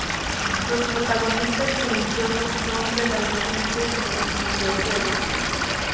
Los protagonistas silenciosos son prevalecientes en los vídeo juegos.